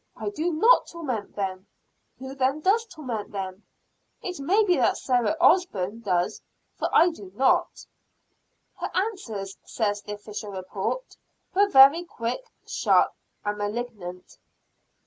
"I do not torment them." "Who then does torment them?" "It may be that Sarah Osburn does, for I do not." "Her answers," says the official report, "were very quick, sharp and malignant."